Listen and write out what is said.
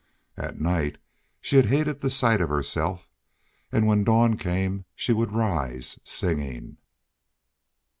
At night she had hated the sight of herself and when the dawn came she would rise, singing.